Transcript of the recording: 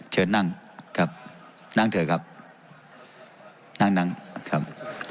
เชิญนั่งครับนั่งเถอะครับนั่งนั่งครับ